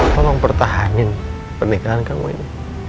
tolong pertahanin pernikahan kamu ini